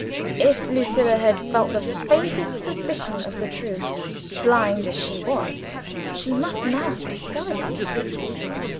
If Lucilla had felt the faintest suspicion of the truth, blind as she was, she must now have discovered it.